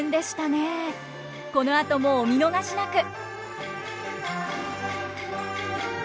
このあともお見逃しなく！